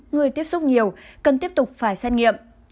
người tiếp xúc nhiều cần tiếp tục phải xét nghiệm